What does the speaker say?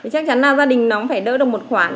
chắc chắn là gia đình nó cũng phải đỡ được một khoản